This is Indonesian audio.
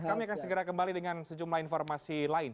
kami akan segera kembali dengan sejumlah informasi lain